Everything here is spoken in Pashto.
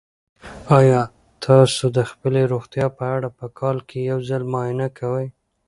آیا تاسو د خپلې روغتیا په اړه په کال کې یو ځل معاینه کوئ؟